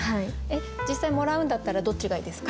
実際もらうんだったらどっちがいいですか？